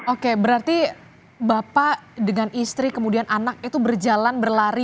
oke berarti bapak dengan istri kemudian anak itu berjalan berlari